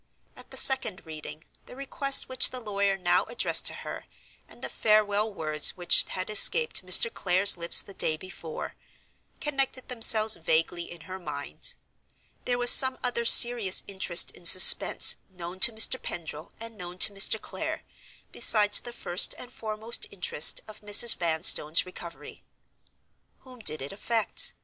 At the second reading the request which the lawyer now addressed to her, and the farewell words which had escaped Mr. Clare's lips the day before, connected themselves vaguely in her mind. There was some other serious interest in suspense, known to Mr. Pendril and known to Mr. Clare, besides the first and foremost interest of Mrs. Vanstone's recovery. Whom did it affect?